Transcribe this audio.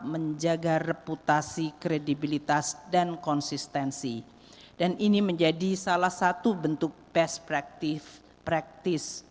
menjaga reputasi kredibilitas dan konsistensi dan ini menjadi salah satu bentuk best practive practice